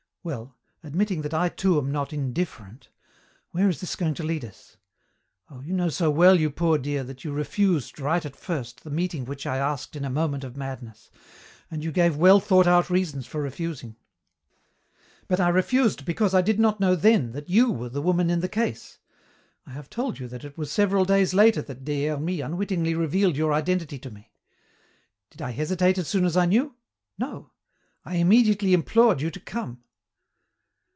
"Well, admitting that I too am not indifferent, where is this going to lead us? Oh, you know so well, you poor dear, that you refused, right at first, the meeting which I asked in a moment of madness and you gave well thought out reasons for refusing." "But I refused because I did not know then that you were the women in the case! I have told you that it was several days later that Des Hermies unwittingly revealed your identity to me. Did I hesitate as soon as I knew? No! I immediately implored you to come."